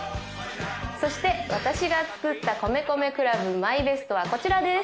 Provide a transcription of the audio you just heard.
そして私が作った米米ＣＬＵＢＭＹＢＥＳＴはこちらです